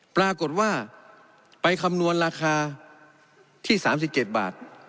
ปรากฏว่าไปคำนวณราคาที่๓๗บาท